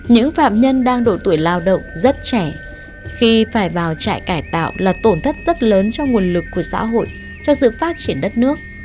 những phạm nhân đang độ tuổi lao động rất trẻ khi phải vào trại cải tạo là tổn thất rất lớn cho nguồn lực của xã hội cho sự phát triển đất nước